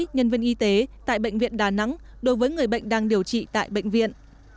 nhân viên y tế tại bệnh viện đà nẵng đối với người bệnh đang điều trị tại bệnh viện